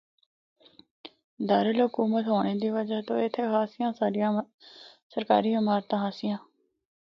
دارالحکومت ہونڑا دی وجہ تو اِتھا خاصیاں ساریاں سرکاری عمارتاں آسیاں۔